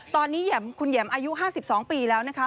ตอนนี้คุณแหม่มอายุ๕๒ปีแล้วนะคะ